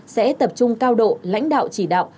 sẽ tập trung cao độ lãnh đạo chỉ đạo